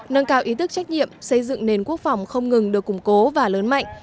nâng cao ý thức trách nhiệm xây dựng nền quốc phòng không ngừng được củng cố và lớn mạnh